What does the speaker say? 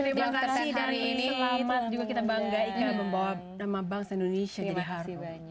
terima kasih dari selamat juga kita bangga ika membawa nama bangsa indonesia jadi harum